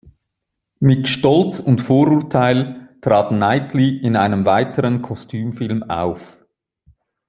Mit "Stolz und Vorurteil" trat Knightley in einem weiteren Kostümfilm auf.